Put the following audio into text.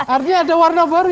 artinya ada warna baru